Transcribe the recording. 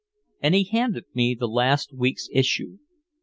And he handed me the last week's issue.